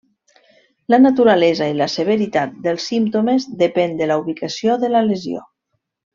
La naturalesa i la severitat dels símptomes depèn de la ubicació de la lesió.